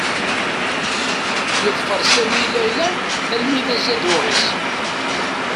Yeḍfer Sami Layla almi d azaduɣ-is.